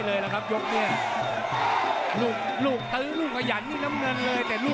นอกได้นอกได้นอกได้น้ำเงินอยู่